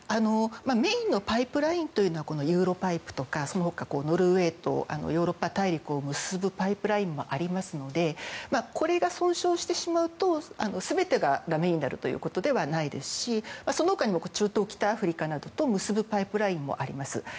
メインのパイプラインというのはユーロパイプとかその他、ノルウェーとヨーロッパ大陸を結ぶパイプラインもありますのでこれが損傷してしまうと全てがだめになるということではないですしその他にも中東北アフリカなどと結ぶパイプラインもあります。